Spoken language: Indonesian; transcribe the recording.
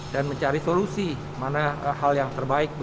dan mencari solusi mana hal yang terbaik